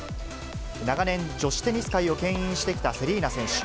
長年、女子テニス界をけん引してきたセリーナ選手。